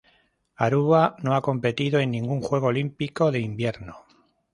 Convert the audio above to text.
Aruba no ha competido en ningún Juego Olímpico de Invierno.